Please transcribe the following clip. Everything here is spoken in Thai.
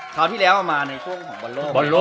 คราวที่แล้วเอามาในช่วงของบอลโลก